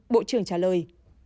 bộ trưởng trả lời